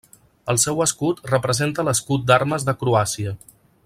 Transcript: El seu escut representa l'escut d'armes de Croàcia.